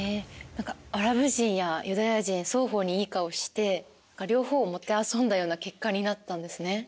何かアラブ人やユダヤ人双方にいい顔して両方を弄んだような結果になったんですね。